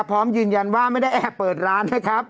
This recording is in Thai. พร้อมยืนยันว่าไม่ได้แอบเปิดร้านนะครับ